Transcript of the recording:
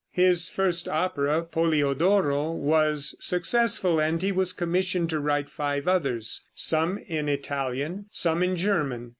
His first opera, "Polliodoro," was successful, and he was commissioned to write five others, some in Italian, some in German.